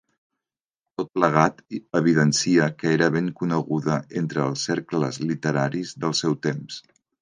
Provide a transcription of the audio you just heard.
Tot plegat evidencia que era ben coneguda entre els cercles literaris del seu temps.